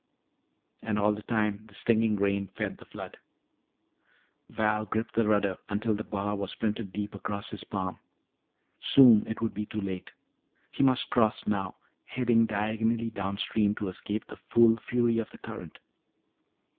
And all the time the stinging rain fed the flood. Val gripped the rudder until the bar was printed deep across his palm. Soon it would be too late. He must cross now, heading diagonally downstream to escape the full fury of the current.